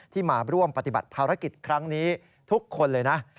มาร่วมปฏิบัติภารกิจครั้งนี้ทุกคนเลยนะ